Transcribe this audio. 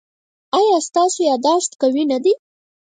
ایا ستاسو یادښت قوي نه دی؟